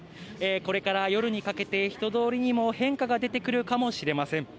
これから夜にかけて、人通りにも変化が出てくるかもしれません。